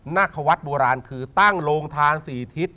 นาควัฒน์โบราณคือตั้งโลงทางสี่ทิศ